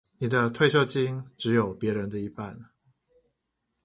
你的退休金只有別人的一半